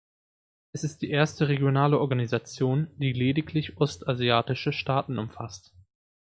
Es ist die erste regionale Organisation, die lediglich ostasiatische Staaten umfasst.